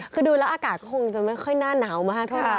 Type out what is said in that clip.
คือดูแล้วอากาศก็คงจะไม่ค่อยน่าหนาวมากเท่าไห